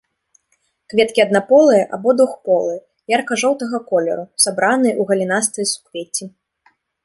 Кветкі аднаполыя або двухполыя, ярка-жоўтага колеру, сабраныя ў галінастыя суквецці.